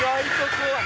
怖い！